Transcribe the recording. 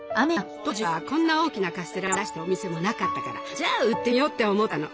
当時はこんな大きなカステラを出してるお店もなかったからじゃあ売ってみようって思ったの。